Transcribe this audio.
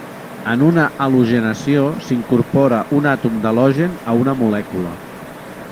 En una halogenació s'incorpora un àtom d'halogen a una molècula.